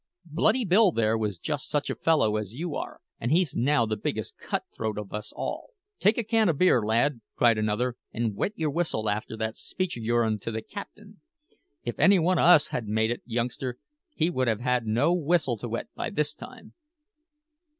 Bloody Bill there was just such a fellow as you are, and he's now the biggest cut throat of us all." "Take a can of beer, lad," cried another, "and wet your whistle after that speech o' your'n to the captain. If any one o' us had made it, youngster, he would have had no whistle to wet by this time."